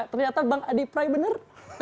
ternyata bang adipra ini bener